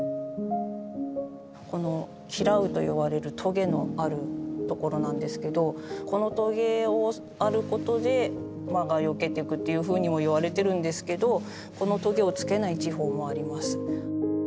このキラウといわれるとげのあるところなんですけどこのとげをあることで魔がよけてくっていうふうにもいわれてるんですけどこのとげをつけない地方もあります。